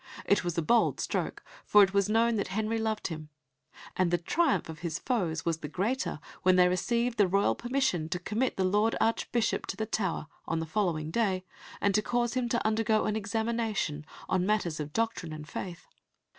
It was a bold stroke, for it was known that Henry loved him, and the triumph of his foes was the greater when they received the royal permission to commit the Lord Archbishop to the Tower on the following day, and to cause him to undergo an examination on matters of doctrine and faith.